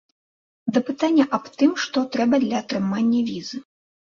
Да пытання аб тым, што трэба для атрымання візы.